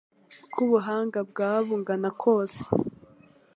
Uko ubuhanga bwaba bungana kose,